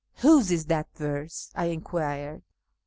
" Whose is that verse ?" I enquired.